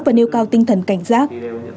và nêu cao tinh thần cảnh giác